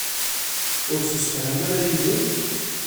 Ur ttemsefhamen ara yid-m?